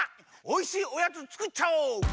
おいしいおやつつくっちゃおう！